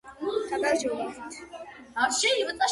დისკი გამოიცა იენ ანდერსონის სახელით.